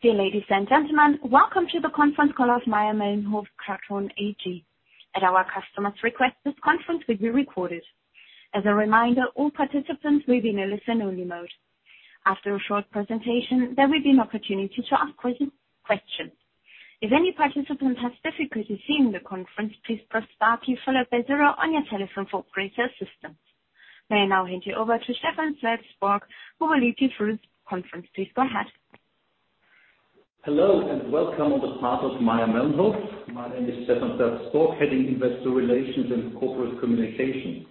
Dear ladies and gentlemen, welcome to the conference call of Mayr-Melnhof Karton AG. At our customer's request, this conference will be recorded. As a reminder, all participants will be in a listen-only mode. After a short presentation, there will be an opportunity to ask questions. If any participant has difficulty seeing the conference, please press star key followed by zero on your telephone for operator assistance. May I now hand you over to Stephan Sweerts-Sporck, who will lead you through this conference. Please go ahead. Hello, and welcome on the part of Mayr-Melnhof. My name is Stephan Sweerts-Sporck, heading Investor Relations and Corporate Communications.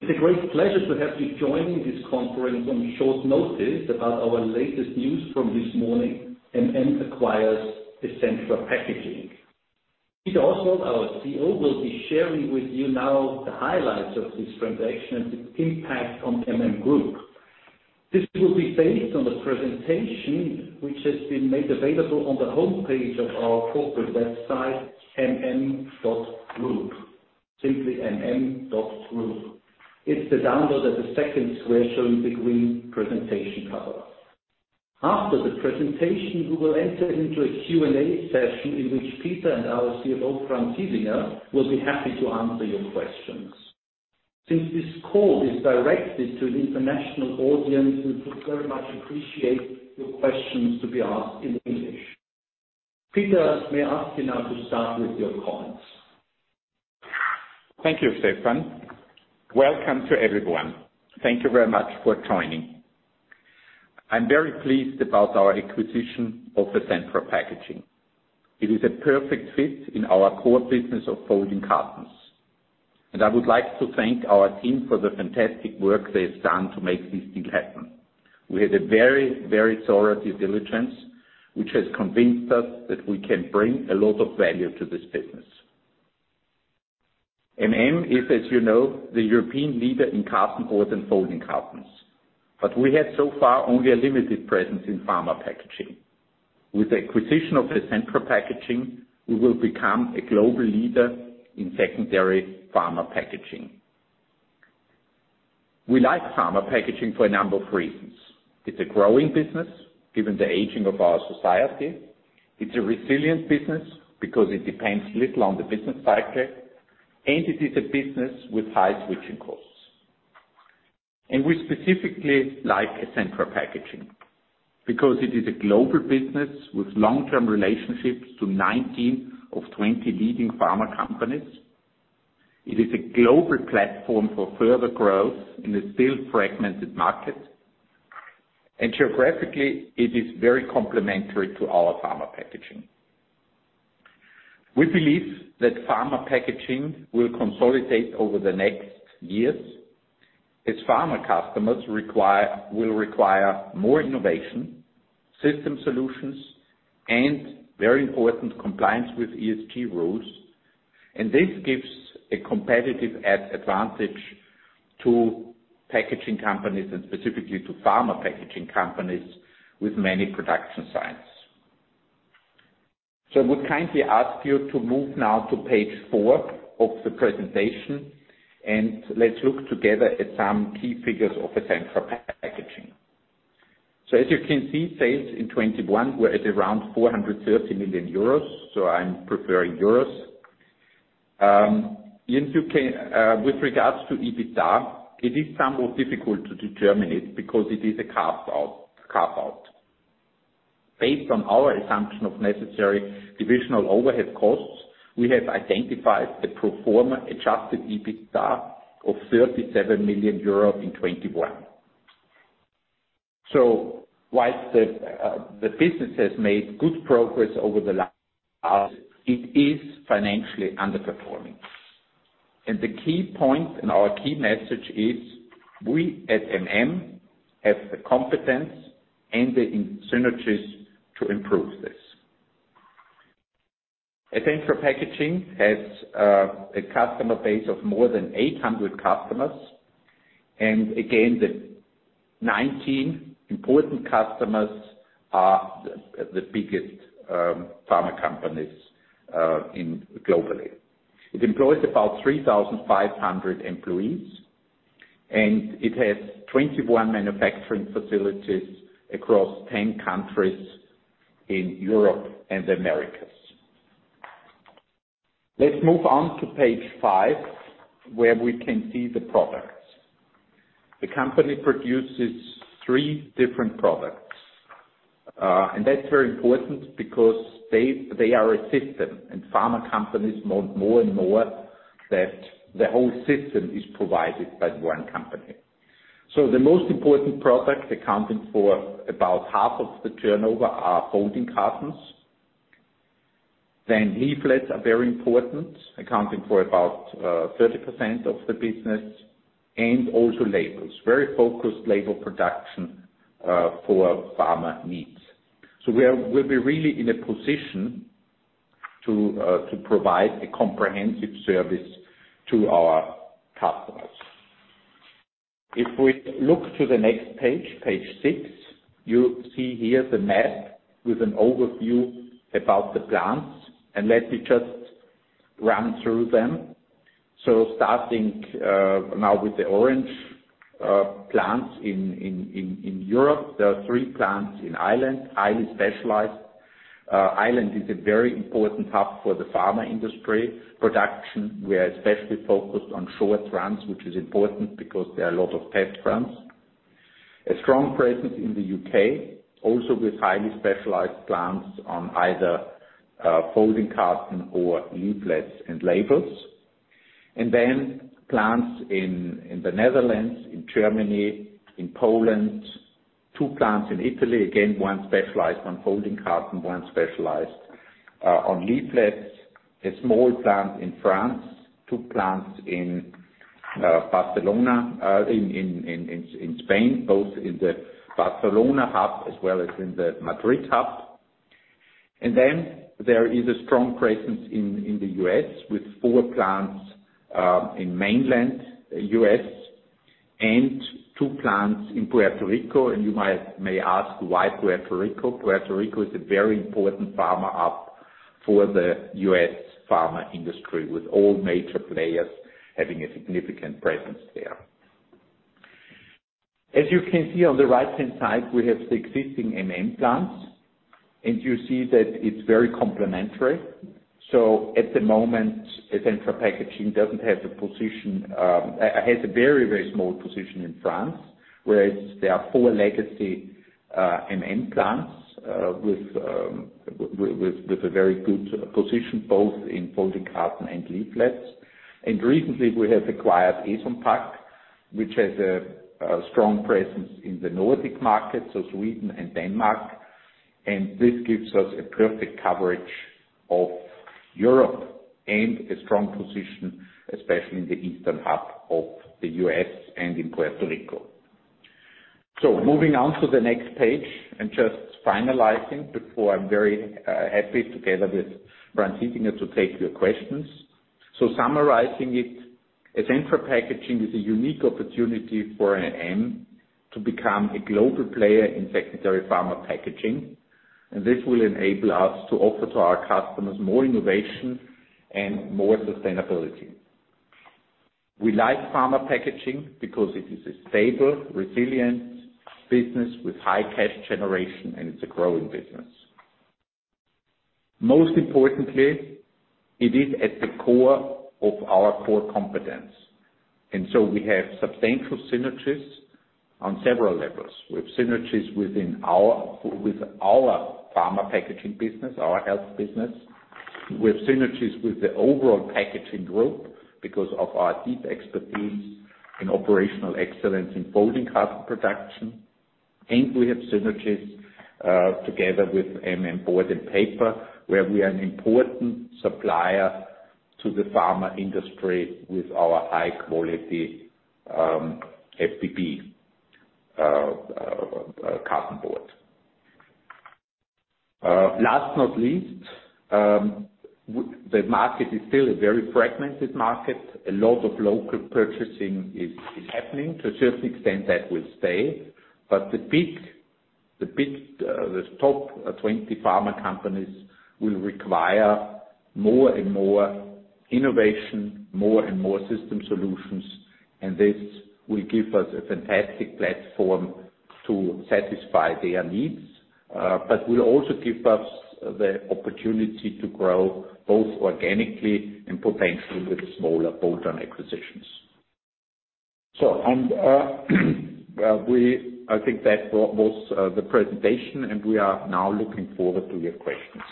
It's a great pleasure to have you joining this conference on short notice about our latest news from this morning, MM acquires Essentra Packaging. Peter Oswald, our CEO, will be sharing with you now the highlights of this transaction and its impact on MM Group. This will be based on the presentation which has been made available on the homepage of our corporate website, mm.group, simply mm.group. It's the download at the second square, showing the green presentation cover. After the presentation, we will enter into a Q&A session in which Peter and our CFO, Franz Hiesinger, will be happy to answer your questions. Since this call is directed to an international audience, we would very much appreciate your questions to be asked in English. Peter, may I ask you now to start with your comments. Thank you, Stefan. Welcome to everyone. Thank you very much for joining. I'm very pleased about our acquisition of Essentra Packaging. It is a perfect fit in our core business of folding cartons, and I would like to thank our team for the fantastic work they've done to make this deal happen. We had a very, very thorough due diligence, which has convinced us that we can bring a lot of value to this business. MM is, as you know, the European leader in cartonboard and folding cartons, but we had so far only a limited presence in pharma packaging. With the acquisition of Essentra Packaging, we will become a global leader in secondary pharma packaging. We like pharma packaging for a number of reasons. It's a growing business, given the aging of our society. It's a resilient business because it depends little on the business cycle, and it is a business with high switching costs. We specifically like Essentra Packaging because it is a global business with long-term relationships to 19 of 20 leading pharma companies. It is a global platform for further growth in a still fragmented market. Geographically, it is very complementary to our pharma packaging. We believe that pharma packaging will consolidate over the next years, as pharma customers will require more innovation, system solutions, and very important, compliance with ESG rules. This gives a competitive advantage to packaging companies and specifically to pharma packaging companies with many production sites. I would kindly ask you to move now to page four of the presentation, and let's look together at some key figures of Essentra Packaging. As you can see, sales in 2021 were at around 430 million euros, so I'm preferring euros. With regards to EBITDA, it is somewhat difficult to determine it because it is a carve-out. Based on our assumption of necessary divisional overhead costs, we have identified the pro forma adjusted EBITDA of 37 million euro in 2021. While the business has made good progress over the last years, it is financially underperforming. The key point and our key message is we at MM have the competence and the synergies to improve this. Essentra Packaging has a customer base of more than 800 customers, and again, the 19 important customers are the biggest pharma companies globally. It employs about 3,500 employees, and it has 21 manufacturing facilities across 10 countries in Europe and the Americas. Let's move on to page five, where we can see the products. The company produces three different products. That's very important because they are a system, and pharma companies want more and more that the whole system is provided by one company. The most important product, accounting for about half of the turnover, are folding cartons. Leaflets are very important, accounting for about 30% of the business, and also labels. Very focused label production for pharma needs. We'll be really in a position to provide a comprehensive service to our customers. If we look to the next page six, you see here the map with an overview about the plants, and let me just run through them. Starting now with the orange plants in Europe. There are three plants in Ireland, highly specialized. Ireland is a very important hub for the pharma industry. Production, we are especially focused on short runs, which is important because there are a lot of test runs. A strong presence in the U.K., also with highly specialized plants on either folding carton or leaflets and labels. Plants in the Netherlands, in Germany, in Poland. Two plants in Italy, again, one specialized on folding carton, one specialized on leaflets. A small plant in France. Two plants in Barcelona in Spain, both in the Barcelona hub as well as in the Madrid hub. There is a strong presence in the U.S. with four plants in mainland U.S. and two plants in Puerto Rico. You may ask why Puerto Rico. Puerto Rico is a very important pharma hub for the U.S. pharma industry, with all major players having a significant presence there. As you can see on the right-hand side, we have the existing MM plants, and you see that it's very complementary. At the moment, Essentra Packaging doesn't have the position. It has a very small position in France, whereas there are four legacy MM plants with a very good position both in folding carton and leaflets. Recently we have acquired Eson Pac, which has a strong presence in the Nordic market, so Sweden and Denmark. This gives us a perfect coverage of Europe and a strong position, especially in the eastern half of the U.S. and in Puerto Rico. Moving on to the next page and just finalizing before I'm very happy together with Franz Hiesinger to take your questions. Summarizing it, Essentra Packaging is a unique opportunity for MM to become a global player in secondary pharma packaging, and this will enable us to offer to our customers more innovation and more sustainability. We like pharma packaging because it is a stable, resilient business with high cash generation, and it's a growing business. Most importantly, it is at the core of our core competence, and so we have substantial synergies on several levels. We have synergies with our pharma packaging business, our health business. We have synergies with the overall packaging group because of our deep expertise in operational excellence in folding carton production. We have synergies together with MM Board & Paper, where we are an important supplier to the pharma industry with our high-quality FBB cartonboard. Last but not least, the market is still a very fragmented market. A lot of local purchasing is happening. To a certain extent, that will stay. The top 20 pharma companies will require more and more innovation, more and more system solutions, and this will give us a fantastic platform to satisfy their needs, but will also give us the opportunity to grow both organically and potentially with smaller bolt-on acquisitions. I think that was the presentation, and we are now looking forward to your questions.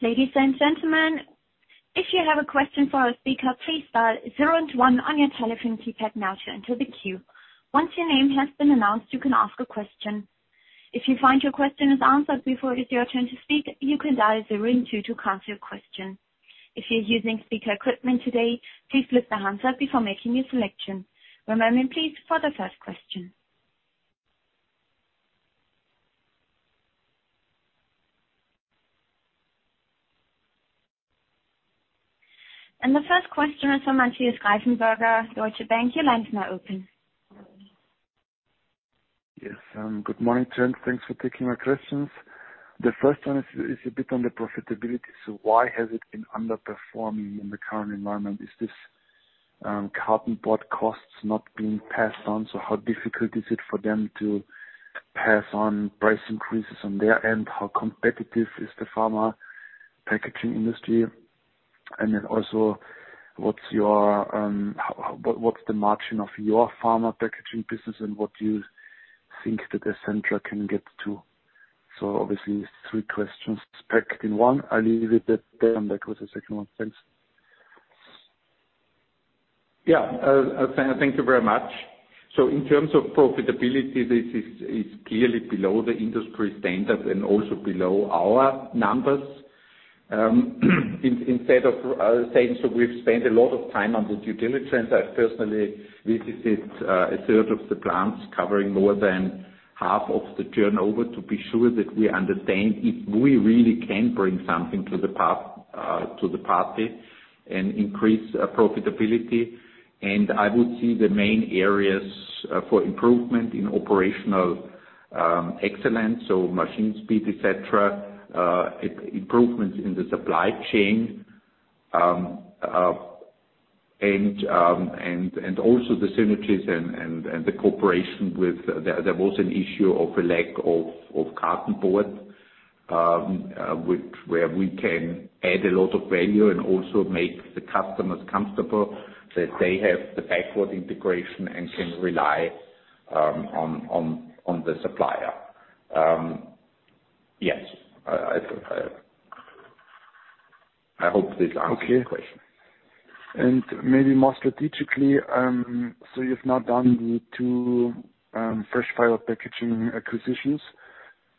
Ladies and gentlemen, if you have a question for a speaker, please dial zero and one on your telephone keypad now to enter the queue. Once your name has been announced, you can ask a question. If you find your question is answered before it is your turn to speak, you can dial zero and two to cancel your question. If you're using speaker equipment today, please lift the handset before making your selection. One moment, please, for the first question. The first question is from Matthias Greifenberger, Deutsche Bank. Your line is now open. Yes, good morning, gent. Thanks for taking my questions. The first one is a bit on the profitability. Why has it been underperforming in the current environment? Is this cartonboard costs not being passed on? How difficult is it for them to pass on price increases on their end? How competitive is the pharma packaging industry? What's the margin of your pharma packaging business, and what do you think that Essentra can get to? Obviously, three questions packed in one. I'll leave it at that and back with the second one. Thanks. Yeah. Thank you very much. In terms of profitability, this is clearly below the industry standard and also below our numbers. Instead of saying, we've spent a lot of time on the due diligence. I personally visited a third of the plants covering more than half of the turnover to be sure that we understand if we really can bring something to the party and increase profitability. I would see the main areas for improvement in operational. Excellent. Machine speed, et cetera, improvements in the supply chain, and also the synergies and the cooperation. There was an issue of a lack of cartonboard where we can add a lot of value and also make the customers comfortable that they have the backward integration and can rely on the supplier. Yes, I hope this answers your question. Okay. Maybe more strategically, so you've now done the two fresh fiber packaging acquisitions,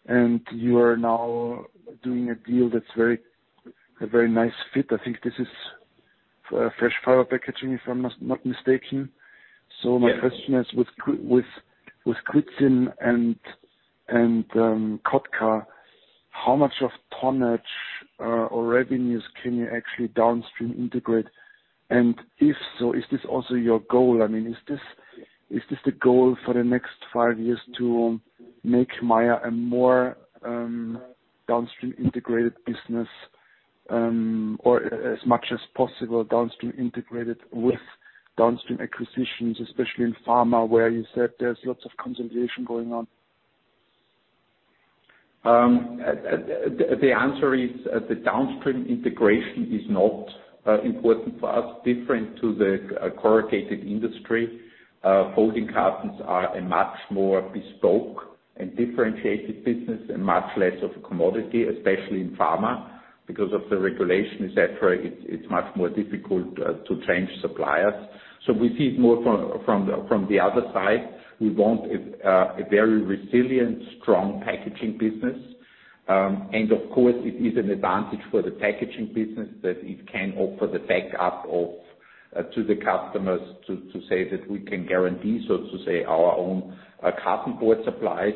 and you are now doing a deal that's a very nice fit. I think this is fresh fiber packaging, if I'm not mistaken. Yes. My question is with Količevo and Kotka, how much of tonnage or revenues can you actually downstream integrate? If so, is this also your goal? I mean, is this the goal for the next five years to make Mayr a more downstream integrated business, or as much as possible downstream integrated with downstream acquisitions, especially in pharma, where you said there's lots of consolidation going on? The answer is the downstream integration is not important for us. Different to the corrugated industry, folding cartons are a much more bespoke and differentiated business and much less of a commodity, especially in pharma. Because of the regulations et cetera, it's much more difficult to change suppliers. We see it more from the other side. We want a very resilient, strong packaging business. Of course it is an advantage for the packaging business that it can offer the backup to the customers to say that we can guarantee, so to say, our own cartonboard supplies.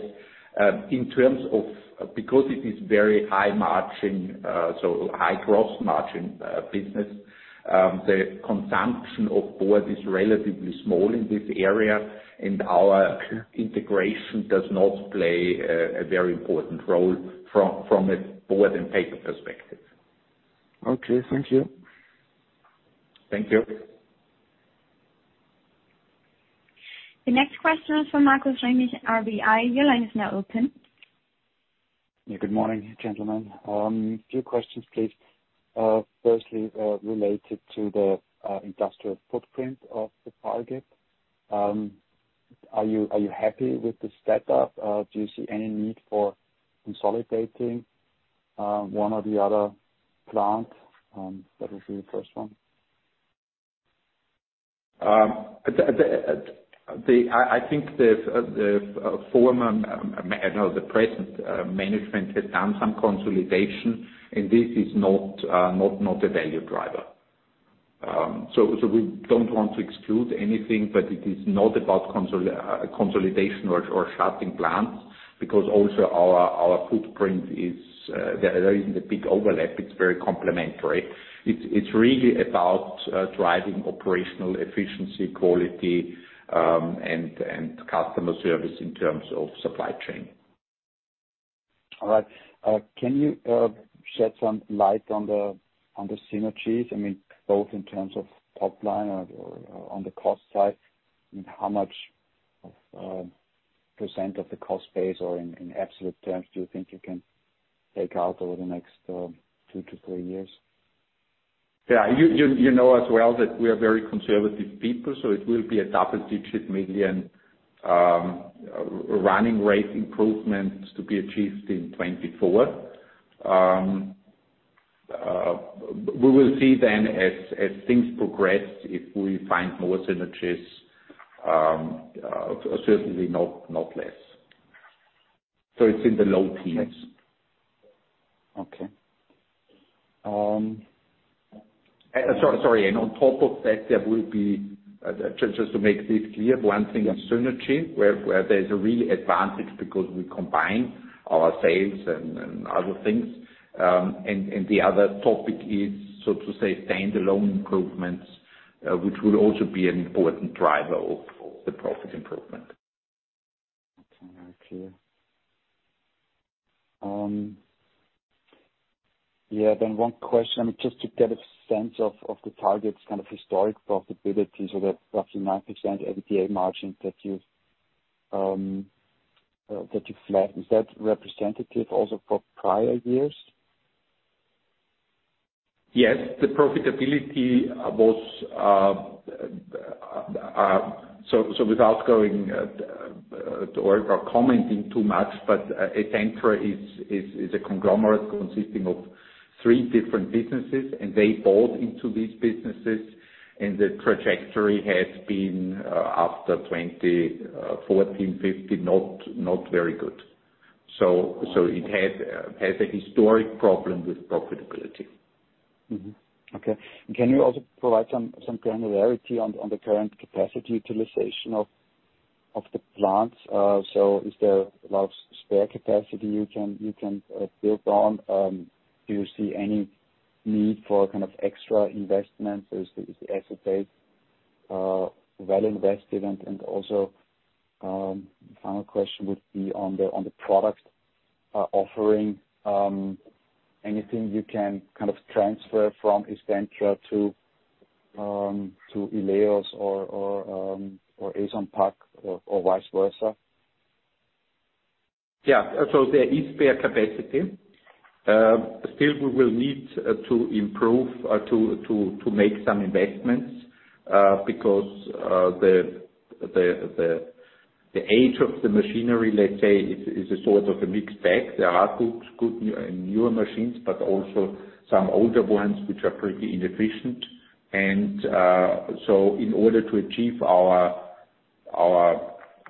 In terms of Because it is very high margin, so high gross margin, business, the consumption of board is relatively small in this area, and our integration does not play a very important role from a board and paper perspective. Okay, thank you. Thank you. The next question is from Markus Remis with RBI. Your line is now open. Yeah, good morning, gentlemen. Two questions, please. Firstly, related to the industrial footprint of the target. Are you happy with the setup? Do you see any need for consolidating one or the other plant? That was really the first one. I think the present management has done some consolidation, and this is not a value driver. We don't want to exclude anything, but it is not about consolidation or shutting plants because also our footprint is there. There isn't a big overlap. It's very complementary. It's really about driving operational efficiency, quality, and customer service in terms of supply chain. All right. Can you shed some light on the synergies? I mean, both in terms of top line or on the cost side, and how much of the cost base or in absolute terms do you think you can take out over the next two to three years? Yeah. You know as well that we are very conservative people, so it will be a double-digit million running rate improvements to be achieved in 2024. We will see then as things progress, if we find more synergies, certainly not less. It's in the low teens. Okay. Sorry. On top of that, there will be just to make this clear, one thing is synergy, where there's a real advantage because we combine our sales and other things. The other topic is, so to say, standalone improvements, which will also be an important driver of the profit improvement. Okay. Yeah. One question, just to get a sense of the target's kind of historic profitability. That roughly 9% EBITDA margin that you flagged, is that representative also for prior years? Yes. The profitability was so without going or commenting too much, but Essentra is a conglomerate consisting of three different businesses, and they bought into these businesses, and the trajectory has been after 2014, 2015, not very good. It has a historic problem with profitability. Mm-hmm. Okay. Can you also provide some granularity on the current capacity utilization of the plants? So is there a lot of spare capacity you can build on? Do you see any need for kind of extra investments as the base well invested, and also final question would be on the product offering. Anything you can kind of transfer from Essentra to Eson Pac or vice versa? Yeah. There is spare capacity. Still we will need to make some investments because the age of the machinery, let's say, is a sort of a mixed bag. There are good new and newer machines, but also some older ones which are pretty inefficient. In order to achieve our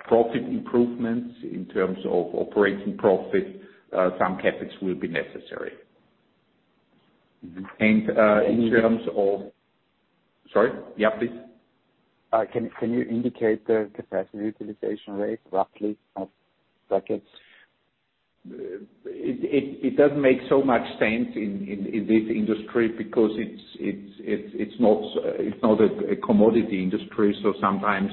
profit improvements in terms of operating profit, some CapEx will be necessary. Mm-hmm. Sorry? Yeah, please. Can you indicate the capacity utilization rate, roughly? It doesn't make so much sense in this industry because it's not a commodity industry, so sometimes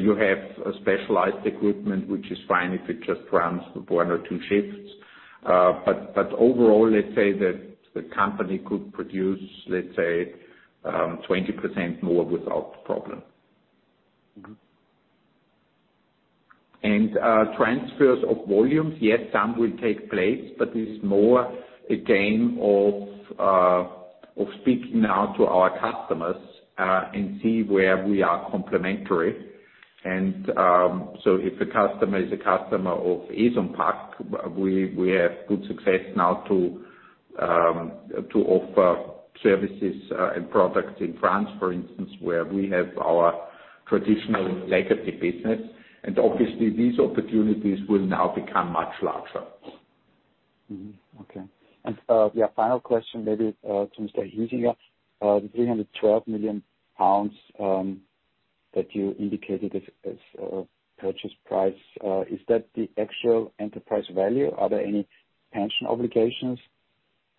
you have a specialized equipment, which is fine if it just runs one or two shifts. Overall, let's say that the company could produce, let's say, 20% more without problem. Mm-hmm. Transfers of volumes, yes, some will take place, but it's more a game of speaking now to our customers and see where we are complementary. If a customer is a customer of Eson Pac, we have good success now to offer services and products in France, for instance, where we have our traditional legacy business. Obviously these opportunities will now become much larger. Okay. Yeah, final question maybe to Mr. Hiesinger. The 312 million pounds that you indicated as purchase price, is that the actual enterprise value? Are there any pension obligations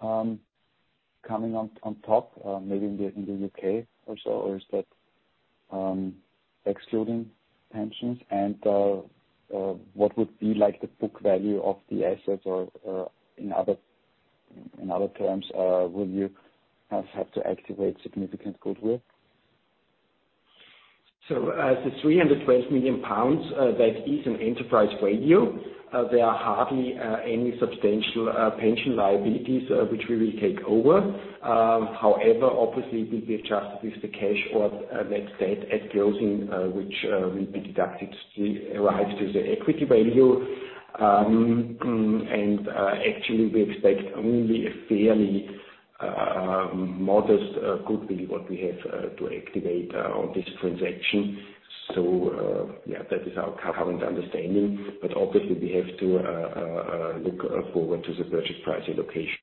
coming on top, maybe in the UK? Or is that excluding pensions? What would be like the book value of the assets or in other terms, will you have to activate significant goodwill? As the 312 million pounds, that is an enterprise value, there are hardly any substantial pension liabilities which we will take over. However, obviously we'll be adjusted with the cash or, let's say at closing, which will be deducted to, right to the equity value. Actually, we expect only a fairly modest goodwill that we have to activate on this transaction. Yeah, that is our current understanding. Obviously we have to look forward to the purchase price allocation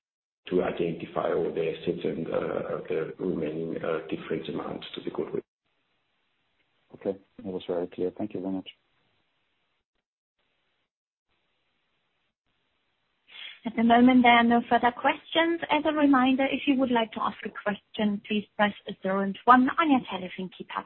to identify all the assets and the remaining different amounts to the goodwill. Okay. That was very clear. Thank you very much. At the moment, there are no further questions. As a reminder, if you would like to ask a question, please press star and one on your telephone keypad.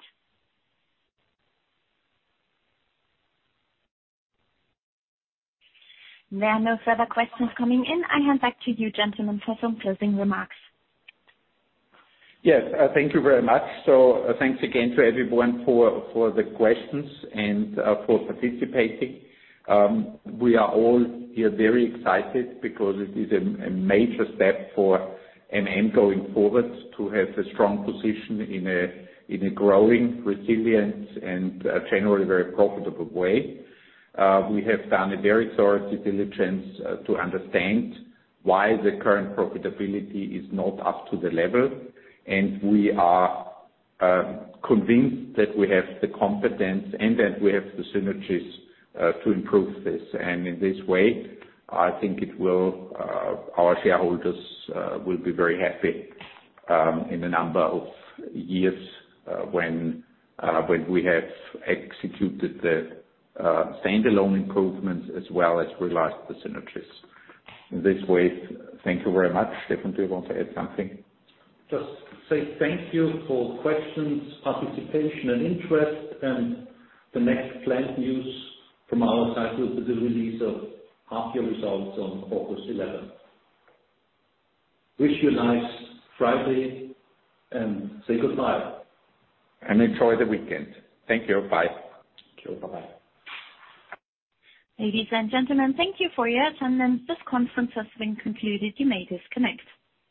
There are no further questions coming in. I hand back to you, gentlemen, for some closing remarks. Yes. Thank you very much. Thanks again to everyone for the questions and for participating. We are all here very excited because it is a major step for MM going forward to have a strong position in a growing, resilient and generally very profitable way. We have done a very thorough due diligence to understand why the current profitability is not up to the level. We are convinced that we have the competence and that we have the synergies to improve this. In this way, I think our shareholders will be very happy in a number of years when we have executed the standalone improvements as well as realized the synergies. In this way, thank you very much. Stefan, do you want to add something? Just say thank you for questions, participation and interest. The next planned news from our side will be the release of half year results on August 11. Wish you a nice Friday and say goodbye. Enjoy the weekend. Thank you. Bye. Thank you. Bye-bye. Ladies and gentlemen, thank you for your attention. This conference has been concluded. You may disconnect.